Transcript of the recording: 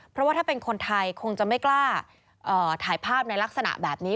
เพราะว่าถ้าเป็นคนไทยคงจะไม่กล้าถ่ายภาพในลักษณะแบบนี้